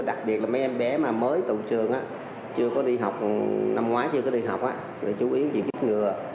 đặc biệt là mấy em bé mới tụ trường năm ngoái chưa có đi học người chú ý chuyện chích ngừa